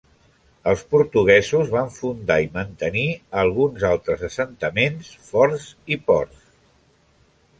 Els portuguesos van fundar i mantenir alguns altres assentaments, forts i ports.